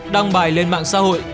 đăng bài lên mạng xã hội